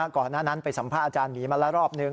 ก่อนนั้นไปสัมภาษณ์อาจารย์หมีมาละรอบหนึ่ง